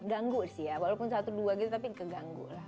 ganggu sih ya walaupun satu dua gitu tapi keganggu lah